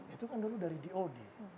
itu kan dulu dari dod